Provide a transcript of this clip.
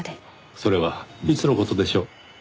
それはいつの事でしょう？